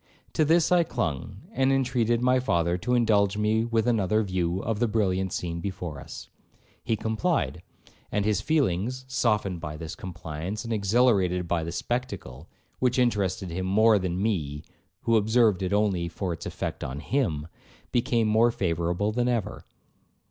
To this I clung, and intreated my father to indulge me with another view of the brilliant scene before us. He complied, and his feelings, softened by this compliance, and exhilarated by the spectacle, (which interested him more than me, who observed it only for its effect on him), became more favourable than ever.